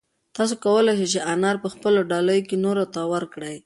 تاسو کولای شئ چې انار په خپلو ډالیو کې نورو ته ورکړئ.